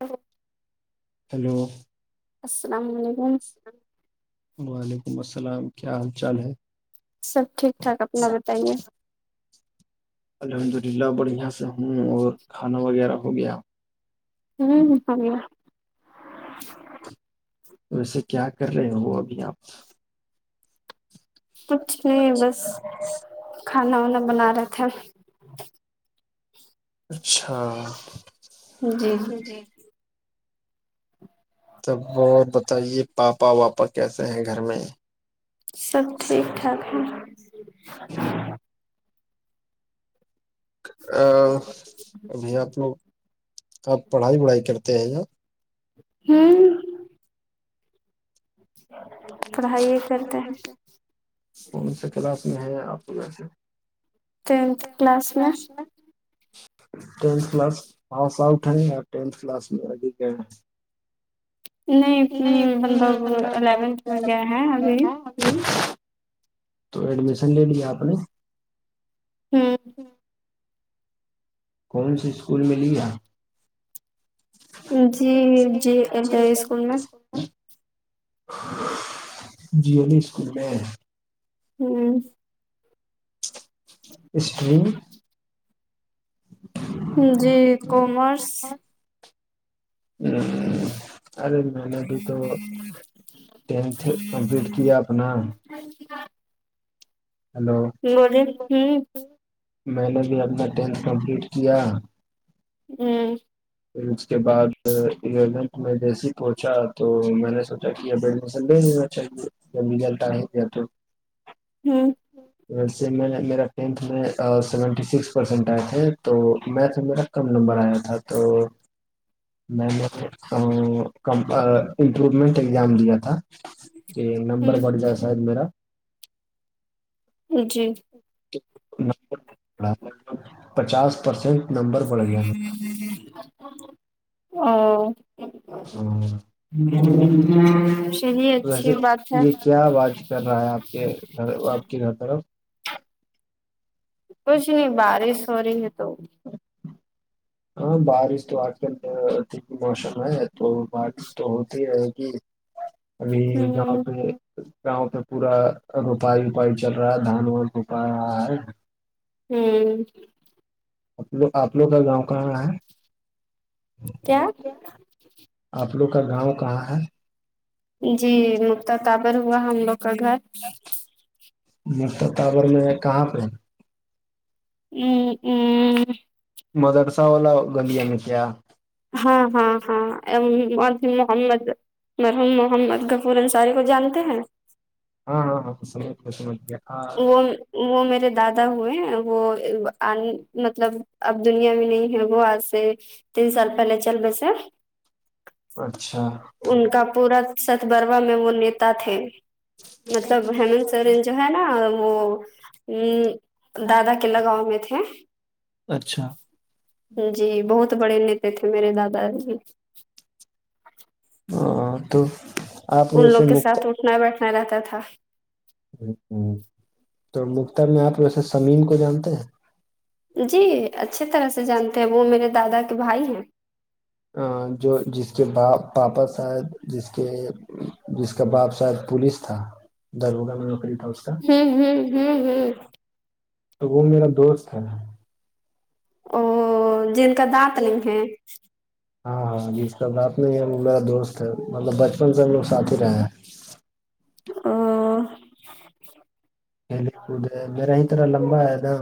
او hello السلام علیکم وعلیکم السلام کیا حال چال ہے سب ٹھیک ٹھاک اپنا بتائیے الحمد للہ بڑھیاں سے ہوں اور کھانا وغیرہ ہو گیا ہاں ہو گیا ویسے کیا کر رہے ہو ابھی آپ کچھ نہیں بس کھانا وانا بنا رہے تھے اچھا جی تو اور بتائیے پاپا واپا کیسے ہیں گھر میں سب ٹھیک ٹھاک ہے ابھی آپ لوگ آپ پڑھائی وڑھائی کرتے ہیں ہوں پڑھائی کرتے ہیں کون سے کلاس میں ہے آپ ویسے ٹینت کلاس میں ٹینت کلاس [inaudible] نہیں مطلب الیونتھ میں گئے ہیں ابھی تو ایڈمیشن لے لیا آپ نے ہوں کون سی اسکول میں لیا جی جی ادھر ہی اسکول میں جیلی اسکول میں ہوں سٹریم جی کومرس ارے میں نے بھی تو ٹینتھ کمپلیٹ کیا اپنا ہاں جی [inaudible] ہلو ہ میں نے بھی اپنا ٹینھ کمپلیٹ کیا ہوں [inaudible] پھر اس کے بعد الیونتھ میں جیسی پہنچا تو میں نے سوچا کہ اب ایڈمیشن لے لی میں [inaudible] ہوں ویس میں نے میرا ٹینتھ میں سیونٹی سکس پرسینٹ آئے تھے تو مھیت میرا کم نمبر آیا تھا تو میں نے امپرومنٹ اگزام دیا تھا جی نمبر بڑھ جائے شاید میرا جی پچاس پرسینٹ نمبر بڑھ گیا ا [unintelligible] ہاں چلیے ویسے اچھی بات ہے یہ کیا باز کر رہا ہے آپ کے گھر [inaudible] کچھ نہیں بارش ہو رہی ہے تو ہاں بارش تو آج کل موسم ہے تو بارش تو ہوتی رہے گی ابھی گاؤں ہوں پہ گاؤں پہ پورا روپائی وپائی چل رہا ہے دھان وان روپا آا ہے ہوں آپ لوگ کا گاؤں کہاں ہے کیا آپ لوگ کا گاؤں کہاں ہے جی مختا تابر ہوا ہم لوگ کا گھر مبر میں کہاں پہ ہے [unintelligible] مدرسہ والا گلیا میں کیا ہاں ہاں ہاں محممد محوم محمد غفور انصاری کو جانتے ہیں ہاں ہاں سمھ سمجھ ہے وہ وہ میرے دادا ہوئے وہ مطلب اب دنیا میں نہیں ہے وہ آج سے ت سولپ ال چل بسر اچھا ان کا پورا ستبروا میں وہ نیتا تھے مطلب ہیمنت سورن جو ہے نا وہ ہ دادا کے لگاؤ میں تھے اچھا جی بہت بڑے نتے تھے میرے دادای اور دو ان لوگ کے ساتھ اٹھنا بیٹھنا رہتا تھا ہ تو مختر میں آپ ویسے سمیم کو جانتے ہیں جی اچھی طرح سے جانتے ہیں وہ میرے دادا کے بھائی ہیں جو جس کے با پاپا شاید جس کے جس کا باپ شاید پوولس تھا دربگہ میں نکری تھا اس کا [unintelligible] تو وہ میرا دوست ہے او جن کا دانت نہیں ہے او ہاں ہاں ج اس کا بات نہیں ہے میرا دوست ہے مطلب بچپن سے ہم لوگ ساتھ ہی رہے ہیں ا کھیل کود ہے میرا اترنا لمبا ہے نا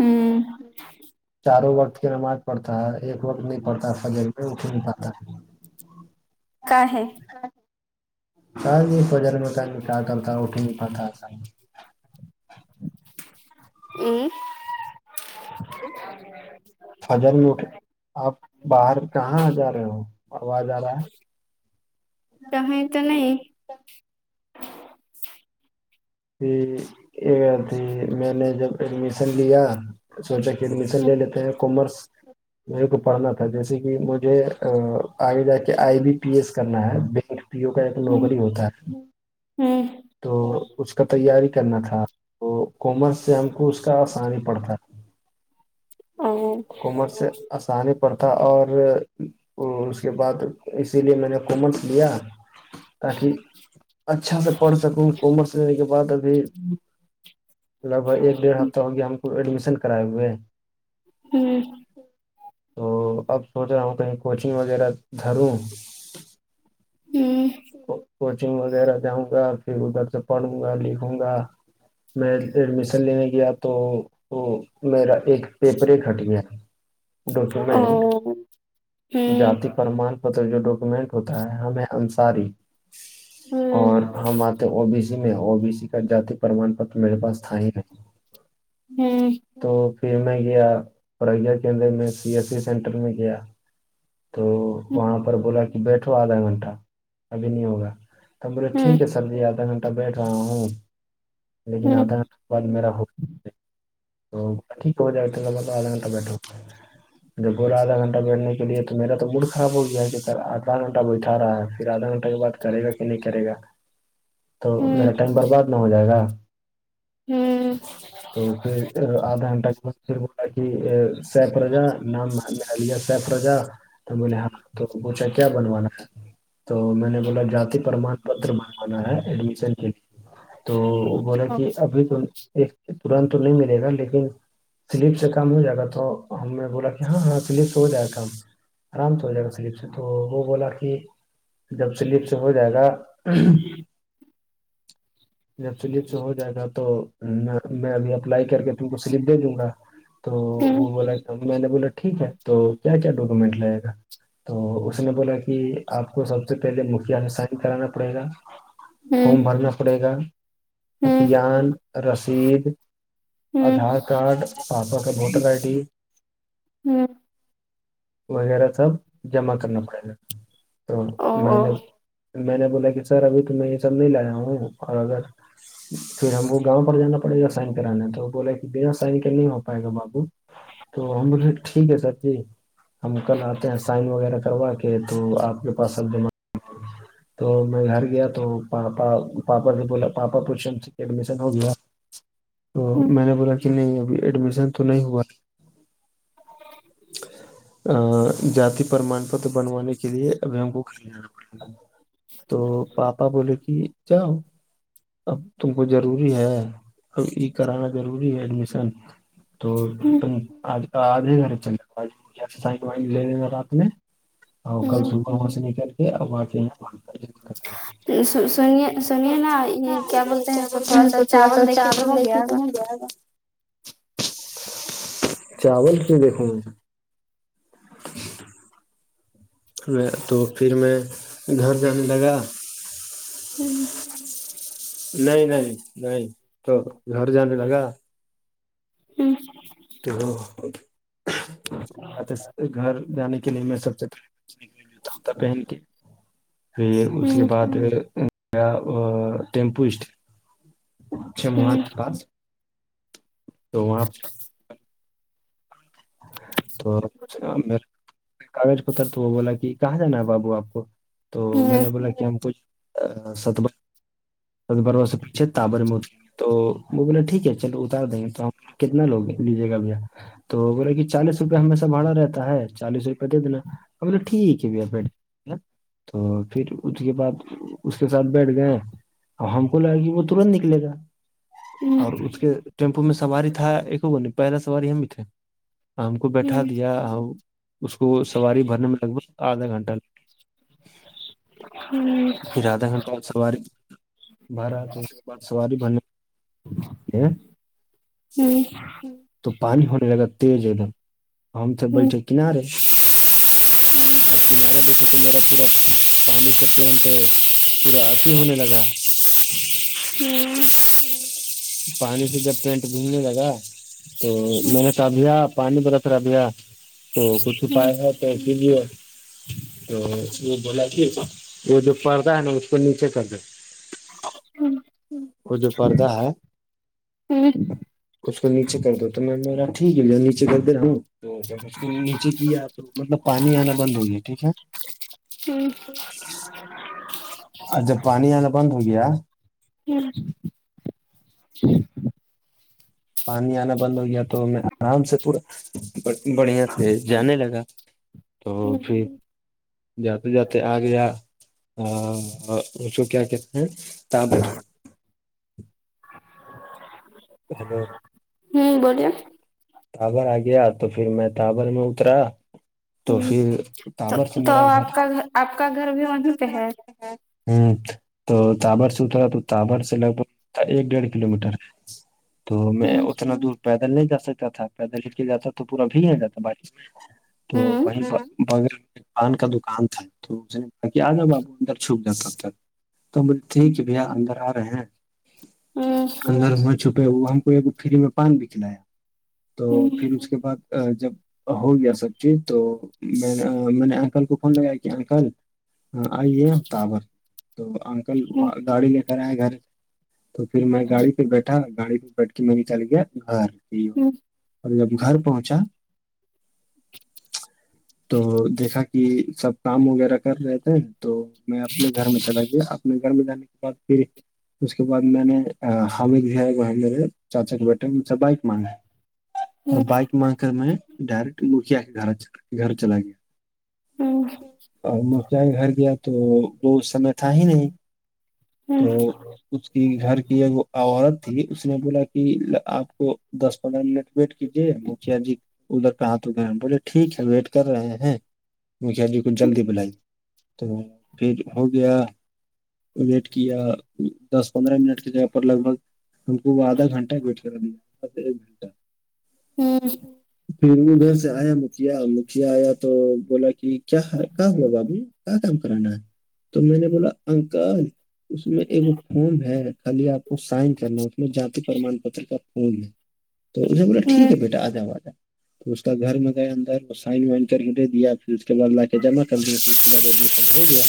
ہوں چاروں وقت کی نماز پڑتا ہے ایک وقت نہیں پڑتا سج میں نہیں پاتا کااہ س نہیں بجر میں کہیں کہ چلتا اٹ ہی نہیں پاتا کہیں ا [unintelligible] فجر میں اٹھ آپ باہر کہاں آ جا رہے ہوو ج رہا ہے کہیں تو نہیں یہھی میں نے جب ایڈمیشن لیا سوچا کہ ایڈمیشن ہ لے لیتے ہیں کامرس میرے کو پڑھنا تھا جیسے کہ مجھے آگے جا کے آئی بی پی ایس کرنا ہے پیو کا ایک ہ نوکری ہوتا ہے ہوں تو اس کا تیاری کرنا تھا تو کامرس سے ہم کو اس کا آسانی پڑتا او کامرس سے آسانی پرڑ تھا اور اس کے بعد اسی لیے میں نے کومرس لیا تاکہ اچھا سے پڑھ سکوں کامرس لینے کے بع ابھی لگ بھگ ایک ڈیڑھ ہفتہ ہو گیا ہم کو ایڈمیشن کرائے ہوئے ہوں تو اب سوچ رہا ہوں کہیں کوچنگ وغیرہ دھروں ہوں تو کوچنگ وغیرہ جاؤں گا پھر ادھر سے پڑھوں گا لکھوں گا میں ایڈمیشن لینے گیا تو وہ میرا ایک پیپر ہی کھٹ گیا تھا او ڈاکومنٹ ہوں جاتی پرمان مطلب جو ڈاکومنٹ ہوتا ہے ہم ہے انصاری ہوں اور ہم تو او بی سی میں او بی سی کا جاتی پرمان پت میرے پاس تھا ہی نہیں ہوں تو پھر میں گیا پریہ کیندر میں سی ایس سی سینٹر میں گیا تو وہاں پر بولا کہ بیٹھو آدھا گھنٹہ ابھی نہیں ہوگا میں نے بولے ہوں ہوں ٹھیک ہے سر سر جی آدھا گھنٹہ بیٹھ رہا ہوں لیکن ہوں آدھا گھنٹہ کے بد میرا ہو تو ٹھیک ہو جائے ب گا تو ادھا گھنٹہ بیٹھو جب بولا آدھا گھنٹہ بیٹھنے کے لیے تو میرا تو موڈ خراب ہو گیا ہے کہ سر آدھا گھنٹہ بیٹھا رہا ہے پھر آدھا گھنٹہ کے بعد کرے گا کہ نہیں کرے گا تو ہوں میرا ہوں ٹائم برباد نہ ہو جائے گا ہوں تو پھر آدھا گھنٹہ کے بعد پھر بولا کہ سیف رجا نام لیا سیف رجا تو بول ہاں تو پوچھا کیا بنونا ہے تو میں نے بولا جاتی پرمان پت بنوانا ہے ایڈمیشن کے لیے تو وہ بولے کہ ابھی تو ایک ترنت تو نہیں مل گا لیکن سلپ سے کام ہو جائے گا تو ہم نے بولا کہ ہاں ہاں سلپ سے ہو جائے گا کام آرام سے ہو جائے گا سلیپ سے تو وہ بولا کہ جب سلیپ سے ہو جائے گا جب سلپ سے ہو جائے گا تو میں ابھی اپلائی کر کے تم کو سلپ دے دوں گا تو وہ بولا میں نے بولا ٹھیک ہے تو کیا کیا ڈاکومینٹ لایا گا تو اس نے بولا کہ آپ کو سب سے پہلے مکیا سی سائن کرانا پڑے گا فوم بھرنا پڑے گا ہوں عطان رسید ہوں آدھار کارڈ پاپا کا ووٹر آئی ڈی ہوں وغیرہ سب جمع کرنا پڑے گا تو میں او نے میں نے بولا کہ سر ابھی تو میں یہ سب نہیں لایا ہوں اور اگر پھر ہم وہ گاؤں پر جانا پڑے گا سائن کرانے میں تو بولے کہ بنا سائن کر نہیں ہو پائے گا بابو تو ہم بولے ٹھیک ہے سر جی ہم کل آتے ہیں سائن وغیرہ کروا کے تو آپ کے پاس سب جمع تو میں گھر گیا تو پاپا پاپا نے بولا پاپا پوشن سے ایڈمیشن ہو گیا تو میں نے بولا کہ نہیں ابھی ایڈمیشن تو نہیں ہوا ج [unintelligible] جاتی پرمان پت بنوانے کے لیے ابھی ہم کو گھر جانا پڑے گا تو پاپا بولے کہ جاؤ اب تم کو ضروری ہے اب یہ کرانا ضروری ہے ایڈمیشن تو تم آج ہی گھر چل سائ وائن لے لینا رات میں اور کل صبح وہاں سے نکل کے یہاں سنیے سنیے نا یہ کیا بولتے ہیں کو تھوڑا سا چاول دیکھیے تو ہو گیا [inaudible] چاول کیوں دیکھو میں تو پھر میں گھر جانے لگا ہوں نہیں نہیں نہیں تو گھر جانے لگا ہاں تو گھر جانے کے لیے میں سب سے پہلے پہن کے پھر اس کے بعد گیا ٹیمپو اسٹ اچھا مہات پاس تو وہاں تو کاغذ پتر تو وہ بولا کہ کہاں جانا ہے بابو آپ کو تو میں نے بولا کہ ہم کو ستبروا سے پیچھے تابر میں تو وہ بولاے ٹھیک ہے چلو اتار دیں گے تو ہم کتنا لوگے لیجیے گا بھیا تو بولے کہ چالیس روپئے ہمیشہ بھاڑا رہتا ہے چالیس روپئے دے دینا میں نے بولا ٹھیک ہے بھیا پھر تو پھر اس کے بعد اس کے ساتھ بیٹھ گئے اور ہم کو لاگا کی وہ ترنت نکلے گا اور اس کے ٹیمپو میں سواری تھا ایک پہلا سواری ہم ہی تھے ہم کو بیٹھا دیا اس کو سواری بھرنے میں لگ بھگ آدھا گھنٹہ لگ پھر آدھا گھنٹہ سواری بھرا پھر اس کے بعد سواری بھر تو پانی ہونے لگا تیز ایک دم ہم تھے بیٹھے کنارے اب کنارے بیٹھے تو میرا پورا پانی سے پینٹ ہے پورا ہونے لگا پانی سے جب پینٹ گھنے لگا تو میں نے کہا بھیا پانی برس رہا بھیا تو کچھ اپ پائے ہے [inaudible] تو وہ بولا کہ وہ جو پردہ ہے نا اس کو نیچے کر دیتے وہ جو پردہ ہے ہوں اس کو نیچے کر دو تو میں نے بولا ٹھیک ہے نیچے کر رہا ہوں تو جب اس کو نیچے کیا تو مطلب پانی آنا بند ہو گیا ٹھیک ہے ہوں [unintelligible] اور جب پانی آنا بند ہو گیا ہوں پانی آنا بند ہو گیا تو میں آرام سے پورا بڑھیا سے جانے لگا تو پھر جاتے جاتے آ گیا اس کو کیا کہتے ہیں ہیلو بولیے تبر آ گیا تو پھر میں تابر میں اترا تو ہوں پھر تو تابر سے تو میرا گھر آپ کا آپ کا گھر بھی وہیں پہ ہے تو تبر سے اترا ہے تو تبر سے لگ بھگ ایک ڈیڑھ کلو میٹر ہے تو میں ہوں اتنا دور پیدل نہیں جا سکتا تھا پیدل ہل کے جاتا تو پورا بھیگ نہیں جاتا بارش میں تو ہوں وہ بغل پان کا دکان تھا تو اس نے کہا کہ آجا بابو اندر چھپ تو ہم بولی ٹھیک ہے بھیا اندر ا رہے ہیں ہوں تو اندر چھپے ہوئے ہم کو ایک فری میں پان بھی کھلایا تو پھر ہوں اس کے بعد جب ہو گیا سب چیز تو میں میں نے انکل کو فون لگایا کہ انکل ہاں آئیے ہم تابر تو انکل گاڑی لے کر آئے گھر تو پھر میں گاڑی پہ بیٹھا گاڑی پہ بیٹھ کے میں بھی چل گیا گھر ہوں اور جب گھر پہنچا تو دیکھا کہ سب کام وغیرہ کر رہے تھے تو میں اپنے گھر میں چلا گیا اپنے گھر میں جانے کے بعد پھر اس کے بعد میں نے میرے چاچا کے بیٹا مھا بائک مانگے اور بائک مانگ کر میں ڈائریکٹ مکھیا کے گھر گھر چلا گیا ہوں اور مکھیا کے گھر گیا تو وہ اس سمے تھا ہی نہیں ہوں تو اس کی گھر کی ایک عورت تھی اس نے بولا کہ آپ کو دس پندرہ منٹ ویٹ کیجیے مکھیا جی ادھر کا ہاتھ ادھر بولے ٹھیک ہے ویٹ کر رہے ہیں مکھیا جی کو جلدی بلائی تو پھر ہو گیا ویٹ کیا دس پندرہ منٹ کی جگہ پر لگ بھگ ہم کو وہ آدھا گھنٹہ ویٹ کرا لیا [inaudible] ہوں پھر ادھر سے آیا مکھیا مکھیا آیا تو بولا کہ کیا ہے کیا ہوا بابو کیا کام کرانا ہے تو میں نے بولا انکل اس میں ایک فارم ہے خالی آپ کو سائن کرنا اس میں پرمان پت کا فون لے تو اس نے بولا ہوں ٹھیک ہے بیٹا آ جاؤ آ جاؤ تو اس کا گھر میں گئے اندر وہ سائن وائن کر کے دے دیا پھر اس کے بعد لا کے جمع کر دیا پھر اس کے بعد ایڈمیشن ہو گیا